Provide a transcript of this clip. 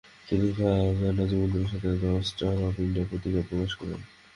তিনি খাজা নাজিমুদ্দিনের সাথে দ্য স্টার অব ইন্ডিয়া পত্রিকা প্রকাশ করেছেন।